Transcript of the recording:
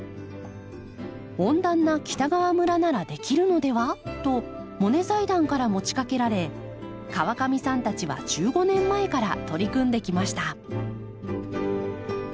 温暖な北川村ならできるのではとモネ財団から持ちかけられ川上さんたちは１５年前から取り組んできました。